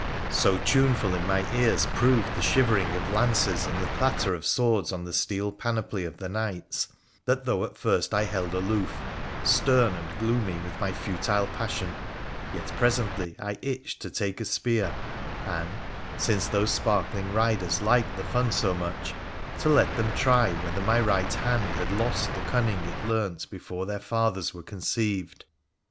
So tuneful in my ears proved the shivering of lances and the clatter of swords on the steel panoply of the knights, that, though at first I held aloof, stern and gloomy with my futile passion, yet presently I itched to take a spear, and, since those sparkling riders liked the fun so much, to let them try whether my right hand had lost the cunning it learnt before their fathers were conceived.